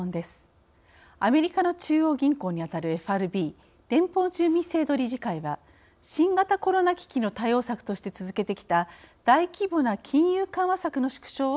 アメリカの中央銀行にあたるＦＲＢ＝連邦準備制度理事会は新型コロナ危機の対応策として続けてきた大規模な金融緩和策の縮小を決めました。